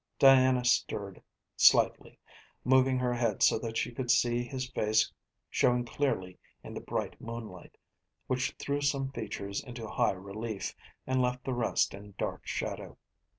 Diana stirred slightly, moving her head so that she could see his face showing clearly in the bright moonlight, which threw some features into high relief and left the rest in dark shadow.